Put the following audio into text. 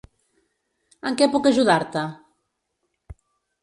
En què puc ajudar-te?